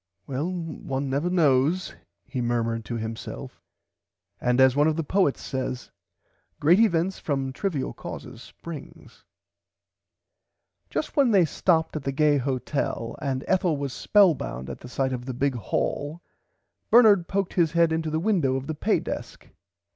Well one never knows he murmerd to himself and as one of the poets says great events from trivil causes springs. Just then they stopped at the gay hotel and Ethel was spellbound at the size of the big hall Bernard poked his head into the window of the pay desk.